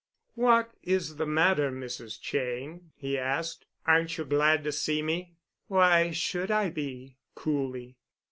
"What is the matter, Mrs. Cheyne?" he asked. "Aren't you glad to see me?" "Why should I be?" coolly.